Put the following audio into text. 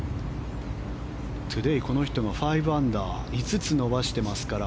トゥデー、この人が５アンダー５つ伸ばしていますから。